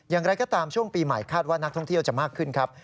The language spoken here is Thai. อย่างไรก็ตามช่วงปีใหม่คาดว่านักท่องเที่ยวจะมากขึ้นครับ